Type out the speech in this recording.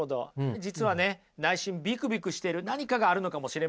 実はね内心ビクビクしてる何かがあるのかもしれませんよね。